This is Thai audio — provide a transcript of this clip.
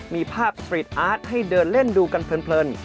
มีภาพสตรีทอาร์ตให้เดินเล่นดูกันเพลิน